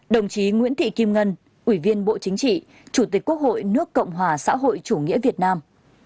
ba đồng chí nguyễn thị kim ngân ủy viên bộ chính trị thủ tướng chính phủ nước cộng hòa xã hội chủ nghĩa việt nam